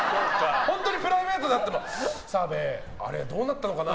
本当にプライベートで会っても澤部、あれどうなったのかな。